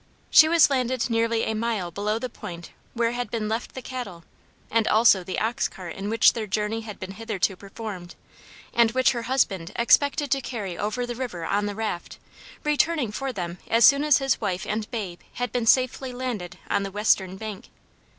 She was landed nearly a mile below the point where had been left the cattle, and also the ox cart in which their journey had been hitherto performed, and which her husband expected to carry over the river on the raft, returning for them as soon as his wife and babe had been safely landed on the western bank.